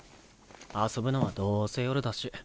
遊ぶのはどうせ夜だし。